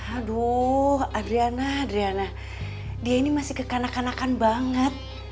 aduh adriana adriana dia ini masih kekanak kanakan banget